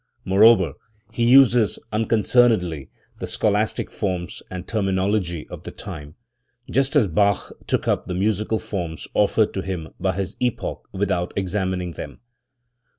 Moreover he uses unconcernedly the scholastic forms and terminology of the time, just as Bach took up the musical forms offered to him by his epoch without examining them.